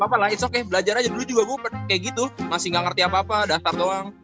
gapapa lah it s oke belajar aja dulu juga gua kaya gitu masih gak ngerti apa apa dasar doang